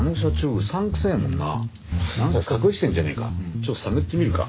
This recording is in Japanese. ちょっと探ってみるか。